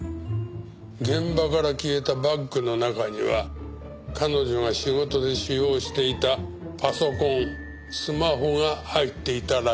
現場から消えたバッグの中には彼女が仕事で使用していたパソコンスマホが入っていたらしい。